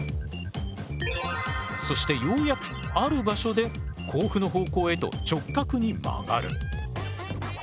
そしてようやくある場所で甲府の方向へと直角に曲がる。